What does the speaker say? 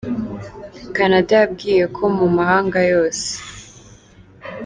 Canada yabwiye ko mu mahanga yose